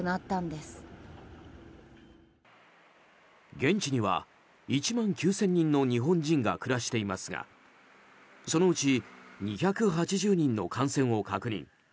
現地には１万９０００人の日本人が暮らしていますがそのうち２８０人の感染を確認。